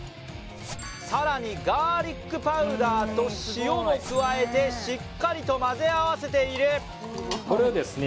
さらにガーリックパウダーと塩も加えてしっかりとまぜあわせているこれをですね